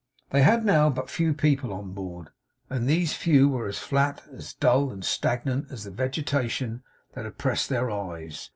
They had now but few people on board, and these few were as flat, as dull, and stagnant, as the vegetation that oppressed their eyes.